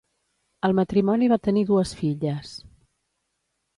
El matrimoni va tenir dues filles: